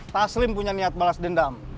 taslim punya niat balas dendam